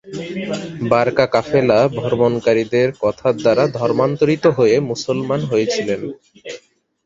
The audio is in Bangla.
বারকা কাফেলা ভ্রমণকারীদের কথার দ্বারা ধর্মান্তরিত হয়ে মুসলমান হয়েছিলেন।